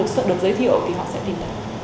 sự được giới thiệu thì họ sẽ tìm thấy